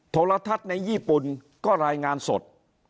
โทรทัศน์ในญี่ปุ่นก็รายงานสด